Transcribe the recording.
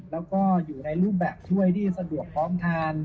แล้วก็อยู่ในรูปแบบถ้วยที่สะดวกพร้อมทาน